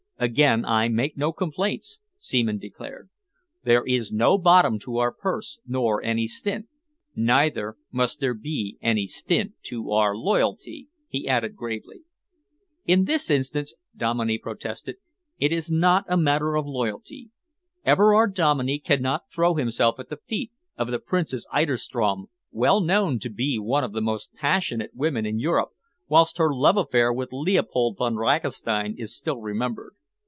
"Again I make no complaints," Seaman declared. "There is no bottom to our purse, nor any stint. Neither must there be any stint to our loyalty," he added gravely. "In this instance," Dominey protested, "it is not a matter of loyalty. Everard Dominey cannot throw himself at the feet of the Princess Eiderstrom, well known to be one of the most passionate women in Europe, whilst her love affair with Leopold Von Ragastein is still remembered.